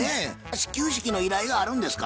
始球式の依頼があるんですか？